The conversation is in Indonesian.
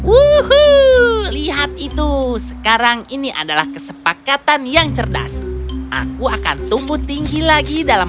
uh lihat itu sekarang ini adalah kesepakatan yang cerdas aku akan tumbuh tinggi lagi dalam